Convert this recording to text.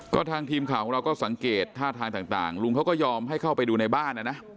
ก็ทางทีมข่าวของเราก็สังเกตท่าทางต่างลุงเขาก็ยอมให้เข้าไปดูในบ้านนะนะ